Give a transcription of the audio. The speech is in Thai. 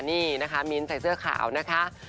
นี่นะคะมิ้นท์ใส่เสื้อขาวนะคะ